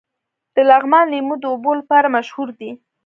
د لغمان لیمو د اوبو لپاره مشهور دي.